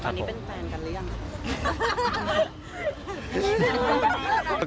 ตอนนี้เป็นแฟนกันหรือยัง